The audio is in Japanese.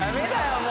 もう。